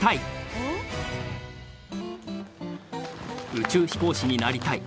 宇宙飛行士になりたい。